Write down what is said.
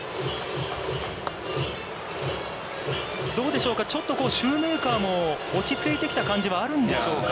どうでしょうか、ちょっとシューメーカーも落ちついてきた感じはあるんでしょうか。